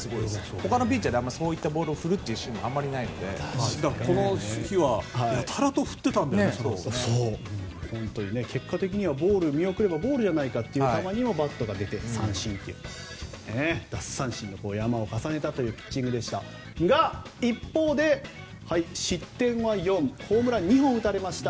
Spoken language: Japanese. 他のピッチャーでそういったボールを振るシーンがこの日は、やたらと結果的には見送ればボールじゃないかという球にもバットが出て奪三振の山を重ねたピッチングでしたが一方で、失点は４ホームランを２本打たれました。